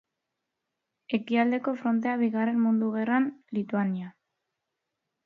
Ekialdeko Frontea Bigarren Mundu Gerran, Lituania.